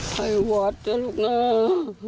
ใส่วัดจนลุกน้า